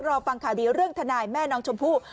รอฟังข่าวดีเรื่องทนายแม่น้องชมพู่